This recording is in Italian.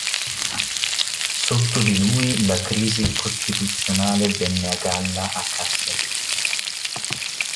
Sotto di lui la crisi costituzionale venne a galla a Kassel.